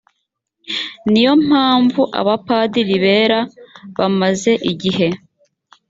ni yo mpamvu abapadiri bera bamaze igihe